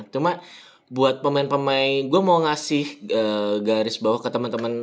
cuma buat pemain pemain gue mau ngasih garis bawah ke teman teman